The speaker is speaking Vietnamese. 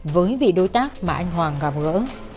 với vị đối tác mà anh hoàng gặp gỡ